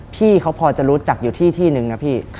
พี่เขาพอจะรู้จักอยู่ที่ที่นึงนะพี่